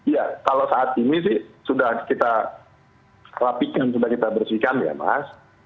ya kalau saat ini sih sudah kita rapikan sudah kita bersihkan ya mas